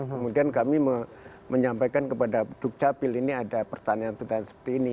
kemudian kami menyampaikan kepada dukcapil ini ada pertanyaan pertanyaan seperti ini